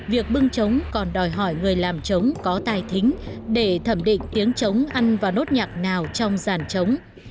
việc bưng trống còn đòi hỏi người làm trống có tài thính để thẩm định tiếng trống ăn và nốt nhạc nào trong giàn trống